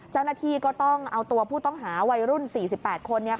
เจ้าหน้าที่ก็ต้องเอาตัวผู้ต้องหาวัยรุ่น๔๘คน